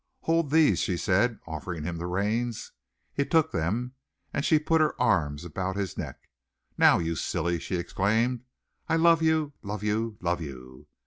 "Hold these," she said, offering him the reins. He took them and she put her arms about his neck. "Now, you silly," she exclaimed, "I love you, love you, love you!